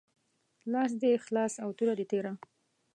لاس دي خلاص او توره دي تیره